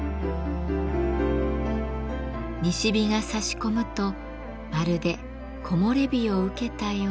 西日がさし込むとまるで木漏れ日を受けたよう。